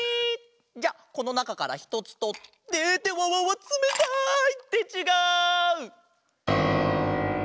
じゃあこのなかからひとつとってってわわわつめたい！ってちがう！